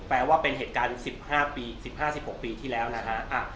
แปลว่าเป็นเหตุการณ์๑๕ปี๑๕๑๖ปีที่แล้วนะฮะ